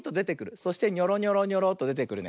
そしてニョロニョロニョロとでてくるね。